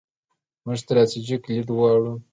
موږ ستراتیژیک لید غواړو.